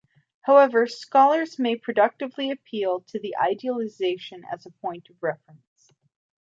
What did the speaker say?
However, scholars may productively appeal to the idealization as a point of reference.